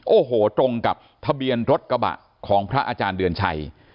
โอ้โหตรงกับทะเบียนรถกระบะของพระอาจารย์เดือนชัย